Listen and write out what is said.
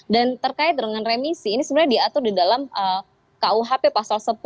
dan terkait dengan remisi ini sebenarnya diatur di dalam kuhp pasal sepuluh